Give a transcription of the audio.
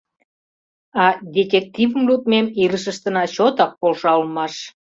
А детективым лудмем илышыштына чотак полша улмаш.